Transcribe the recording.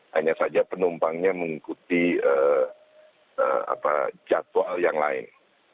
hanya saja penumpangnya mengikuti jadwal yang lain